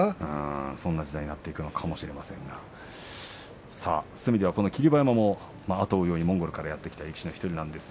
そんな時代がやってくるのかもしれませんがそういう点ではこの霧馬山もあとを追うようにモンゴルからやって来た力士の１人。